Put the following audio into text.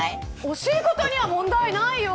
教え方には問題ないよ。